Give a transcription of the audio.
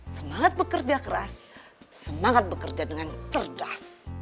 semangat bekerja keras semangat bekerja dengan cerdas